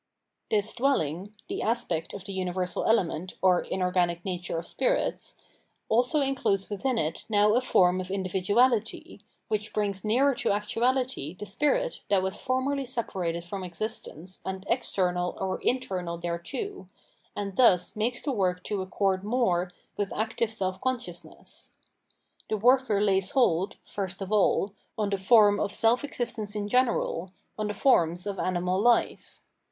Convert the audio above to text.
* This dwelling, (the aspect of the universal element or inorganic nature of spirits), also includes within it now a form of individuahty, which brings nearer to actuality the spirit that was formerly separated from existence and external or internal thereto, and thus makes the work to accord more with active self con sciousness. The worker lays hold, first of aU, on the form of self existence in general, on the forms of animal life.